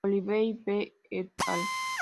Oliveira, B. et al.